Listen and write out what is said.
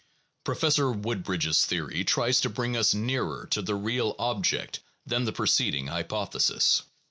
Professor Woodbridge's theory 1 tries to bring us nearer to the real object than the preceding hypothesis.